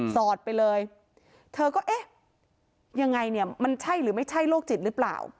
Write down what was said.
สอดไปเลยเธอก็เอ๊ะยังไงเนี่ยมันใช่หรือไม่ใช่โรคจิตหรือเปล่า